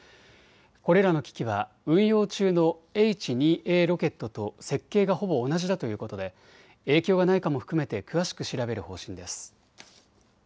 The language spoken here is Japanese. これらの機器は運用中のＨ２Ａロケットと設計がほぼ同じだということで影響がないかも含めて詳しく調べる方針です。